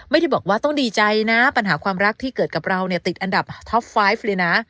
ไม่ได้บอกว่าต้องดีใจนะปัญหาความรักที่เกิดกับเราเนี่ยติดอันดับท็อปไฟล์ฟเลยนะ